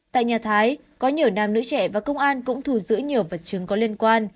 tại nhà thái có nhiều nam nữ trẻ và công an cũng thù giữ nhiều vật chứng có liên quan